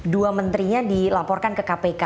dua menterinya dilaporkan ke kpk